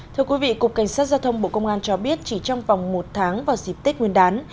thưa quý vị cục cảnh sát giao thông bộ công an cho biết chỉ trong vòng một tháng vào dịp tết nguyên đán